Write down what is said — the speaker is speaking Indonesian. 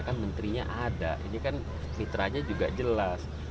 kan menterinya ada ini kan mitranya juga jelas